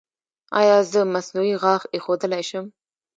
ایا زه مصنوعي غاښ ایښودلی شم؟